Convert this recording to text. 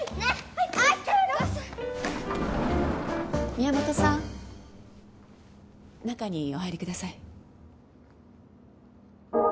宮本さん中にお入りください